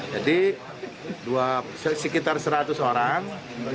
jadi sekitar seratus orang